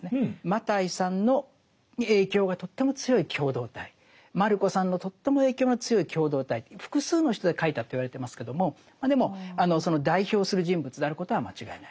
マタイさんの影響がとっても強い共同体マルコさんのとっても影響の強い共同体複数の人で書いたと言われてますけどもでもその代表する人物であることは間違いない。